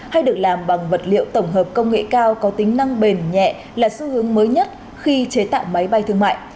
hay được làm bằng vật liệu tổng hợp công nghệ cao có tính năng bền nhẹ là xu hướng mới nhất khi chế tạo máy bay thương mại